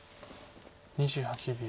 ２８秒。